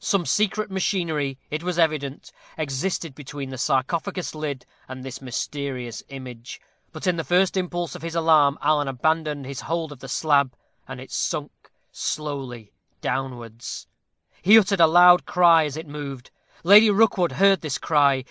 Some secret machinery, it was evident, existed between the sarcophagus lid and this mysterious image. But in the first impulse of his alarm Alan abandoned his hold of the slab, and it sunk slowly downwards. He uttered a loud cry as it moved. Lady Rookwood heard this cry.